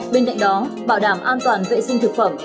bên cạnh đó bảo đảm an toàn vệ sinh thực phẩm